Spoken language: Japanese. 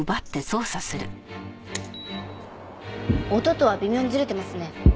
音とは微妙にずれてますね。